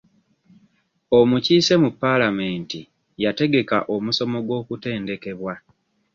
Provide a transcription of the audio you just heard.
Omukiise mu palamenti yategeka omusomo gw'okutendekebwa.